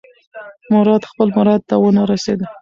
مراد خپل مراد ته ونه رسېد.